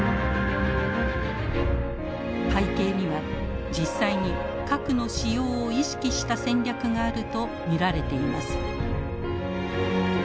背景には実際に核の使用を意識した戦略があると見られています。